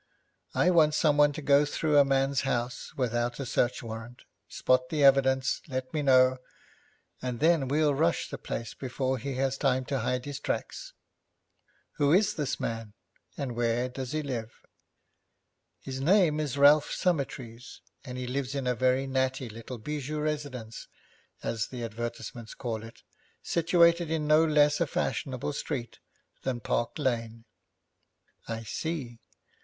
'I want someone to go through a man's house without a search warrant, spot the evidence, let me know, and then we'll rush the place before he has time to hide his tracks.' 'Who is this man, and where does he live?' 'His name is Ralph Summertrees, and he lives in a very natty little bijou residence, as the advertisements call it, situated in no less a fashionable street than Park Lane.' 'I see.